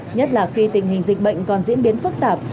nhất là khi tình hình dịch bệnh còn diễn biến phức tạp